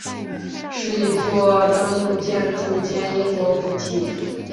是一座登录建筑兼英国古迹。